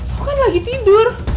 aku kan lagi tidur